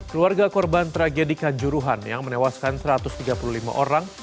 keluarga korban tragedikan juruhan yang menewaskan satu ratus tiga puluh lima orang